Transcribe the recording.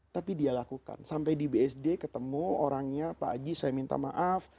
tapi dia lakukan sampai di bsd ketemu orangnya pak aji saya minta maaf